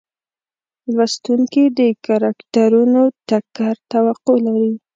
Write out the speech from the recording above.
لوستونکي د کرکټرونو ټکر توقع لري.